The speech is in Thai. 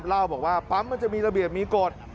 เล่าบอกว่าปั๊มมันจะมีระเบียบมีกฎ